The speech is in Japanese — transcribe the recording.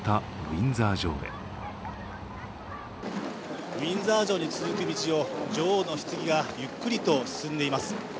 ウィンザー城に続く道を女王のひつぎがゆっくりと進んでいます。